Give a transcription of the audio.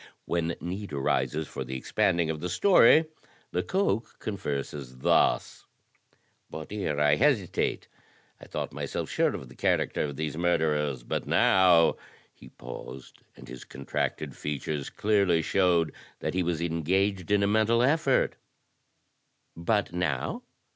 When need arises for the expanding of the story, Lecoq converses thus: *' But here I hesitate. I thought myself sure of the character of these murderers; but now —" He paused; and his contracted features clearly showed that he was engaged in a mental effort. "But now?"